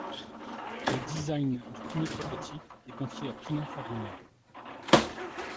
Le design du premier prototypes est confié à Pininfarina.